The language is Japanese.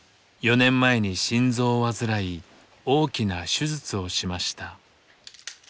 ４年前に心臓を患い大きな手術をしました。